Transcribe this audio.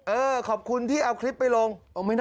เออขอบคุณที่เอาคลิปไปลง